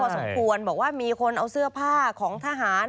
สมควรบอกว่ามีคนเอาเสื้อผ้าของทหาร